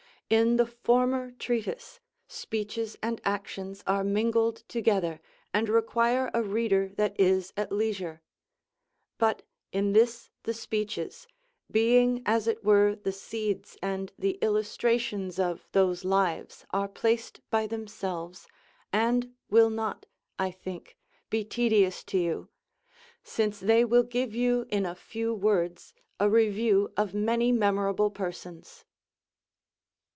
In the former treatise speeches and actions are mingled together, and require a reader that is at leisure ; but in this the speeches, being as it were the seeds and the illustrations of those lives, are placed by themselves, and Avill not (I think) be tedious to you, since they will give you in a few words a review of many memorable persons.